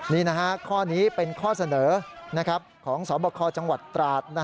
นี่ข้อนี้เป็นข้อเสนอของสบคจังหวัดตราด